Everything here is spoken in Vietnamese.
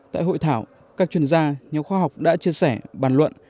tại hội thảo các chuyên gia nhà khoa học đã chia sẻ bàn luận